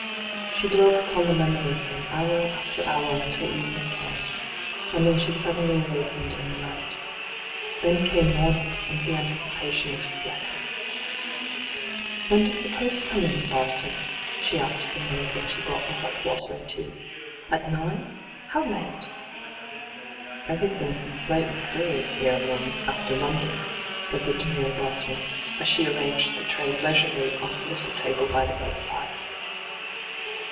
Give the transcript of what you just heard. She dwelt upon the memory of him hour after hour until evening came — and when she suddenly awakened in the night. Then came morning and the anticipation of his letter. ' When does the post come in, Barton V D,gt,, 6rtbyGOOglC ENTRAPPED 271 she asked of the maid when she brought the hot water and tea. ' At nine ? How late!' 'Everything seems late and cur'ous here, m'm, after London,' said the demure Barton, as she arranged the tray leisurely on a little table by the bedside.